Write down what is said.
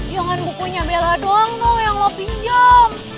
jangan bukunya bella doang no yang lo pinjam